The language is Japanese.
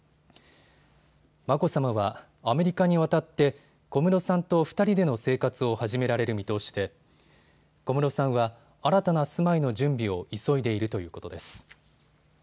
眞子さまはアメリカに渡って小室さんと２人での生活を始められる見通しで小室さんは新たな住まいの準備を急いでいるということです。